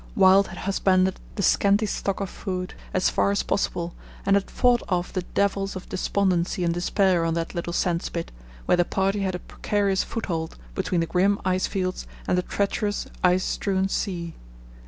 Wild had husbanded the scanty stock of food as far as possible and had fought off the devils of despondency and despair on that little sand spit, where the party had a precarious foothold between the grim ice fields and the treacherous, ice strewn sea.